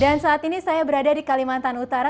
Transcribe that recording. dan saat ini saya berada di kalimantan utara